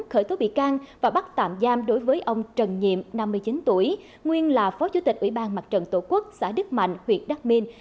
khởi tố bị can và bắt tạm giam đối với ông trần nhiệm năm mươi chín tuổi nguyên là phó chủ tịch ủy ban mặt trận tổ quốc xã đức mạnh huyện đắc minh